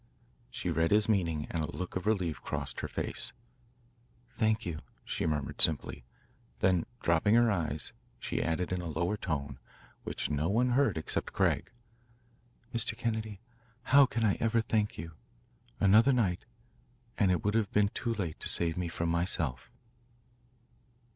She read his meaning and a look of relief crossed her face. "Thank you," she murmured simply, then dropping her eyes she added in a lower tone which no one heard except Craig: "Mr. Kennedy, how can I ever thank you? Another night, and it would have been too late to save me from myself."